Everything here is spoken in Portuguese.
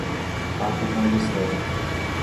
Papo com a gestora